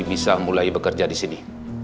bisa mulai bekerja di sini